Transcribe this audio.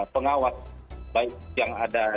pengawas baik yang ada